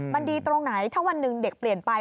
มันดีตรงไหนถ้าวันหนึ่งเด็กเปลี่ยนไป